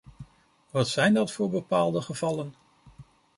Wat zijn dat voor bepaalde gevallen?